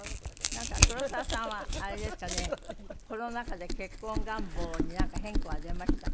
なんか黒沢さんはあれですかねコロナ禍で結婚願望に変化は出ましたか？